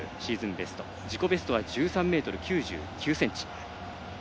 ベスト自己ベストは１３ｍ９９ｃｍ。